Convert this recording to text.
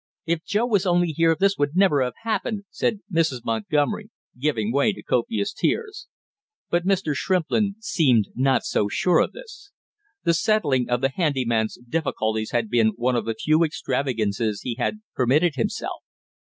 "If Joe was only here this would never have happened!" said Mrs. Montgomery, giving way to copious tears. But Mr. Shrimplin seemed not so sure of this. The settling of the handy man's difficulties had been one of the few extravagances he had permitted himself.